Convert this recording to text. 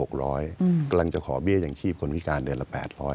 กำลังจะขอเบี้ยอย่างชีพคนพิการเดือนละ๘๐๐